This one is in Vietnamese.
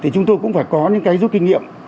chúng tôi cũng phải có những giúp kinh nghiệm